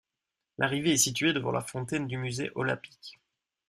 L'arrivée est située devant la fontaine du Musée Olympique.